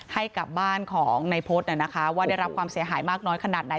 ให้กับบ้านของนายพฤษว่าได้รับความเสียหายมากน้อยขนาดไหน